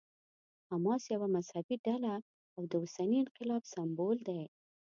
حماس یوه مذهبي ډله او د اوسني انقلاب سمبول دی.